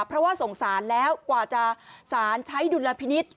เพราะว่าสงสารแล้วกว่าจะสารใช้ดุลพินิษฐ์